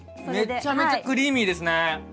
めちゃめちゃクリーミーですね。